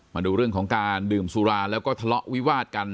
มาดูเรื่องของการดื่มสุราแล้วก็ทะเลาะวิวาดกัน